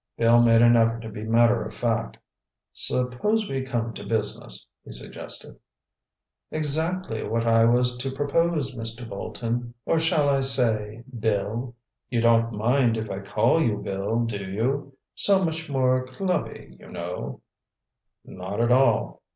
Bill made an effort to be matter of fact. "Suppose we come to business," he suggested. "Exactly what I was about to propose, Mr. Bolton, or shall I say 'Bill'—you don't mind if I call you Bill, do you? So much more clubby, you know—" "Not at all."